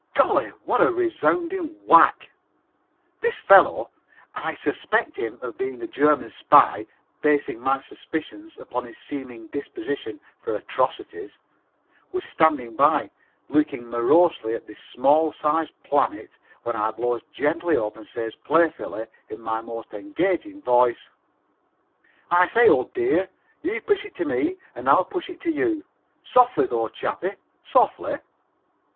Golly, what a resounding whack! This fellow (I suspect him of being a German spy, basing my suspicions upon his seeming disposition for atrocities) was standing by, looking morosely at this small size planet when I blows gently up and says playfully in my most engaging voice: "I say, old dear, you push it to me and I'll push it to you softly, though, chappy, softly."